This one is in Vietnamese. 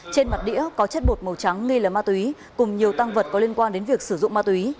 trên mặt đĩa có chất bột màu trắng nghi là ma túy cùng nhiều tăng vật có liên quan đến việc sử dụng ma túy